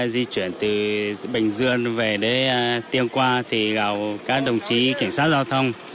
di chuyển từ bình dương về đến tiên quang thì các đồng chí cảnh sát giao thông